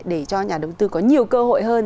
để cho nhà đầu tư có nhiều cơ hội hơn